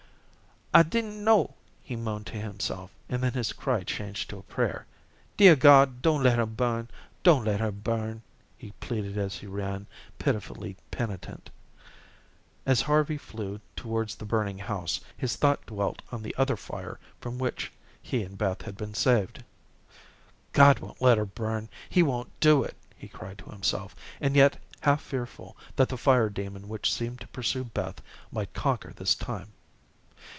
"I didn't know," he moaned to himself, and then his cry changed to a prayer, "Dear God, don't let her burn. Don't let her burn," he pleaded as he ran, pitifully penitent. As Harvey flew towards the burning house, his thought dwelt on the other fire from which he and Beth had been saved. "God won't let her burn. He won't do it," he cried to himself, and yet half fearful that the fire demon which seemed to pursue Beth might conquer this time.